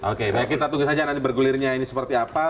oke baik kita tunggu saja nanti bergulirnya ini seperti apa